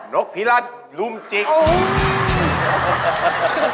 นกพี่ราบลุมจิกโอ๊ย